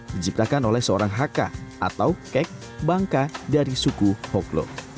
diciptakan oleh seorang haka atau kek bangka dari suku hoklo